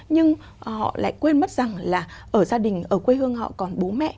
nhưng họ lại quên mất rằng là ở gia đình ở quê hương họ còn bố mẹ